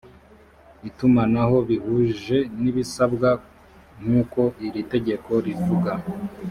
itumanaho bihuje n ibisabwa nk uko iri tegeko rivuga